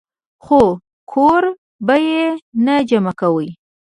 خو کور به ئې نۀ جمع کوئ -